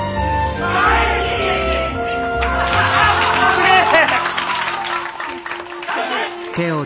すげえ！